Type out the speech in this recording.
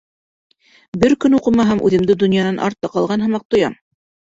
Бер көн уҡымаһам, үҙемде донъянан артта ҡалған һымаҡ тоям.